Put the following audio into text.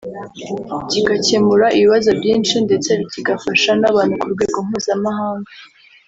kigakemura ibibazo byinshi ndetse kigafasha n’abantu ku rwego mpuzamahanga